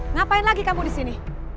ngapain lagi kamu disini